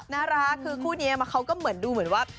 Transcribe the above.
น่ารักคือคู่นี้เขาก็เหมือนดูเหมือนว่า